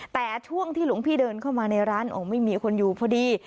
แต่ช่วงที่หลวงพี่เดินเข้ามาในร้านโอ้ไม่มีคนอยู่พอดี